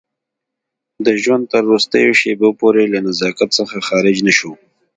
د ژوند تر وروستیو شېبو پورې له نزاکت څخه خارج نه شو.